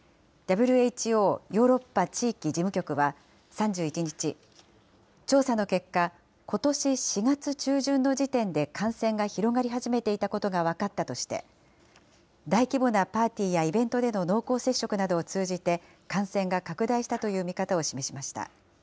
ＷＨＯヨーロッパ地域事務局は３１日、調査の結果、ことし４月中旬の時点で感染が広がり始めていたことが分かったとして、大規模なパーティーやイベントでの濃厚接触などを通じて、感染が拡大したという見方を示しました。